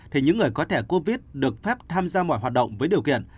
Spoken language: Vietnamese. thì những người có thẻ covid được phép tham gia mọi hoạt động với điều kiện